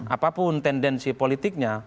apapun tendensi politiknya